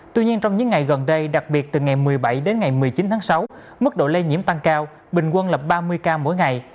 tuy nhiên trong những ngày gần đây đặc biệt từ ngày một mươi bảy đến ngày một mươi chín tháng sáu mức độ lây nhiễm tăng cao bình quân lập ba mươi ca mỗi ngày